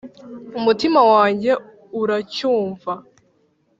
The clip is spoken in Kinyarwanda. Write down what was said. umutima wanjye uracyumva.